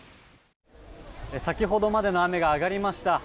先ほどまでの雨が上がりました。